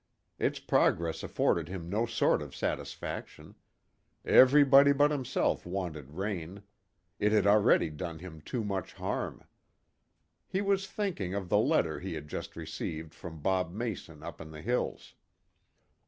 Its progress afforded him no sort of satisfaction. Everybody but himself wanted rain. It had already done him too much harm. He was thinking of the letter he had just received from Bob Mason up in the hills.